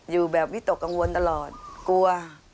อยู่แบบวิตกกังวลตลอดกลัว